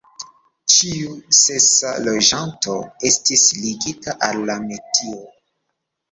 Ĉiu sesa loĝanto estis ligita al la metio.